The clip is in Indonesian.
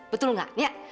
betul nggak ya